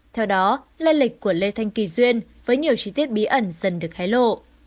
theo đó lê lịch của lê thanh kỳ duyên với nhiều chi tiết bí ẩn dần được hái lộ